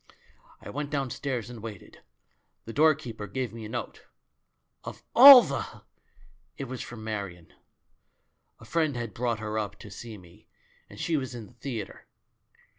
"I went downstairs and waited. The door keeper gave me a note. Of all the ! It was from Marion. A friend had brought her up to see me, and she was in the theatre.